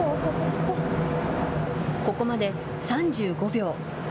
ここまで３５秒。